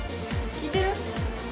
聞いてる？